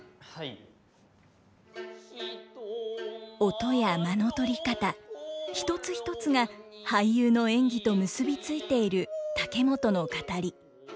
音や間の取り方一つ一つが俳優の演技と結び付いている竹本の語り。